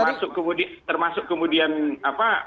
termasuk kemudian termasuk kemudian apa